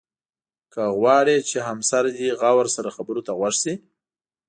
که غواړې چې همسر دې غور سره خبرو ته غوږ شي.